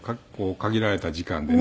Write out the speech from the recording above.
限られた時間でね。